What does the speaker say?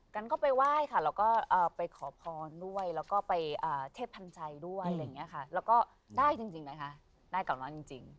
กันก็ไปไหว้ค่ะแล้วก็ไปขอพรด้วยแล้วก็ไปเทพพันธ์ใจด้วยอะไรอย่างนี้ค่ะแล้วก็ได้จริงนะคะได้กลับมาจริง